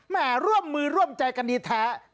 แม่ร่วมมือร่วมใจกันดีท้า